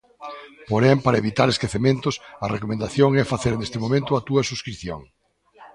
Porén, para evitar esquecementos, a recomendación é facer neste momento a túa subscrición!